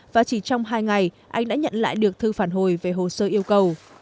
và chỉ trong hai ngày anh đã nhận lại được thư phản hồi về hồ sơ yêu cầu